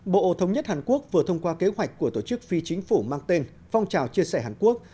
bộ thống nhất hàn quốc vừa thông qua kế hoạch của tổ chức phi chính phủ mang tên phong trào chia sẻ hàn quốc